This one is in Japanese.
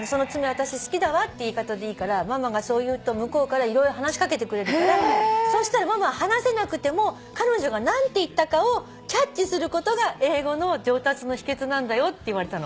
私好きだわって言い方でいいからママがそう言うと向こうから色々話し掛けてくれるからそしたらママは話せなくても彼女が何て言ったかをキャッチすることが英語の上達の秘訣なんだよって言われたの。